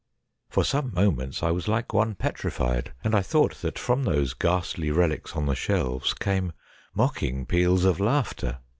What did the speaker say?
For some moments I was like one petrified, and I thought that from those ghastly relics on the shelves came mocking peals of laughter.